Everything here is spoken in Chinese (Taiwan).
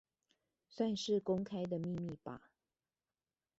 算是公開的秘密吧